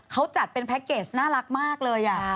เขาจัดเป็นแพ็คเกจน่ารักมากเลย